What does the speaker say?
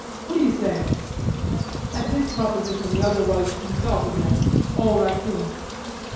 What do you say?" At this proposition the other was himself again, all raccoon.